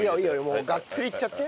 もうガッツリいっちゃって。